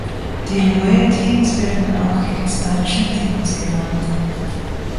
Die neuen Teams werden auch "Expansion Teams" genannt.